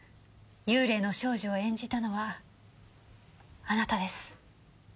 幽霊の少女を演じたのはあなたです。